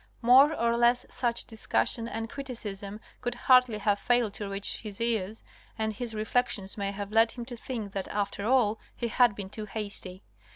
More or less such discussion and criticism could hardly have failed to reach his ears, and his reflections may have led him to think that, after all, he had been too hasty.